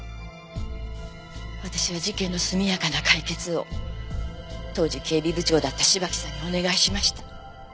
私は事件の速やかな解決を当時警備部長だった芝木さんにお願いしました。